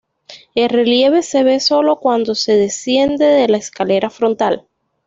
El relieve se ve sólo cuando se desciende de la escalera frontal.